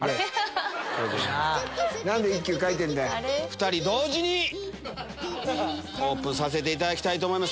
２人同時にオープンさせていただきたいと思います。